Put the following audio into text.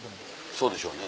そうでしょうね。